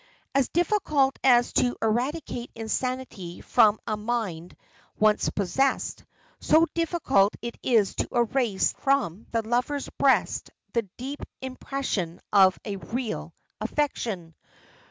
As difficult as to eradicate insanity from a mind once possessed, so difficult it is to erase from the lover's breast the deep impression of a real affection.